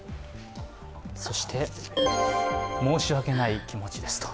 そして、申し訳ない気持ちですと。